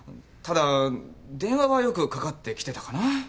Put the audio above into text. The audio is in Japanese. ただ電話はよくかかってきてたかな。